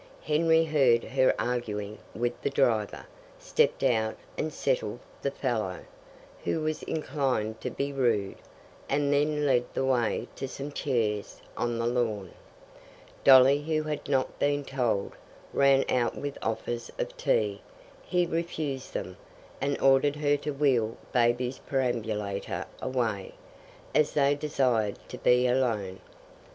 Henry heard her arguing with the driver, stepped out and settled the fellow, who was inclined to be rude, and then led the way to some chairs on the lawn. Dolly, who had not been "told," ran out with offers of tea. He refused them, and ordered her to wheel baby's perambulator away, as they desired to be alone.